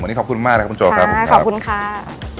วันนี้ขอบคุณมากครับคุณโจรครับผมครับค่ะขอบคุณค่ะขอบคุณค่ะ